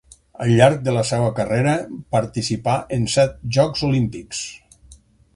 Al llarg de la seva carrera participà en set Jocs Olímpics.